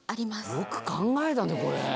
よく考えたねこれ。